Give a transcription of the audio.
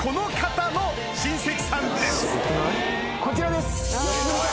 こちらです！